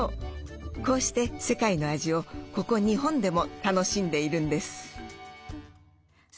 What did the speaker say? こうして世界の味をここ日本でも楽しんでいるんです。